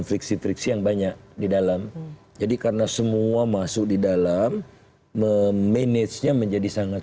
fliksi fliksi yang banyak di dalam jadi karena semua masuk didalam memanagenya menjadi sangat